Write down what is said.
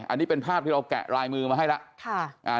อันนี้เป็นภาพที่เราแกะลายมือมาให้แล้ว